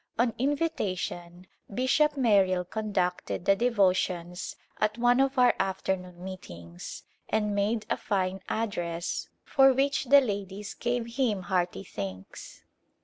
On invitation Bishop Merrill conducted the devotions at one of our afternoon meetings and made a fine address for which the ladies gave him hearty thanks.